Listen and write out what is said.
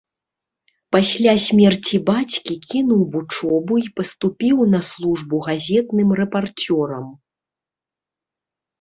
Пасля смерці бацькі кінуў вучобу і паступіў на службу газетным рэпарцёрам.